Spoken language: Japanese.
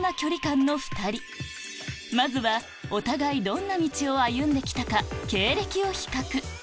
まずはお互いどんな道を歩んで来たか経歴を比較